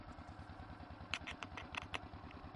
Vojenský letecký rejstřík letadel vede Ministerstvo obrany.